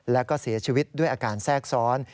แล้วก็เสียชีวิตด้วยอาการแทรกซ้อน